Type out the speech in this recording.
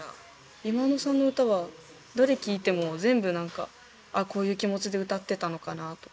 忌野さんの歌はどれ聴いても全部なんかあっこういう気持ちで歌ってたのかなとか。